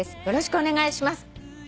よろしくお願いします」